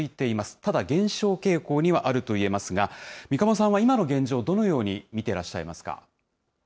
ただ、減少傾向にはあるといえますが、三鴨さんは今の現状、どのように見てらっしゃいますか。